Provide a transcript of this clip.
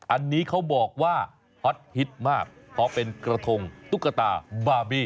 อันนี้เขาบอกว่าฮอตฮิตมากเพราะเป็นกระทงตุ๊กตาบาร์บี้